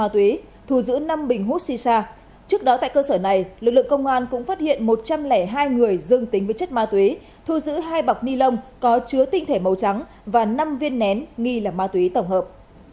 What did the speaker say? trước đó tại cơ sở này lực lượng công an cũng phát hiện một trăm linh hai người dương tính với chất ma túy thu giữ hai bọc ni lông có chứa tinh thể màu trắng và năm viên nén nghi là ma túy tổng hợp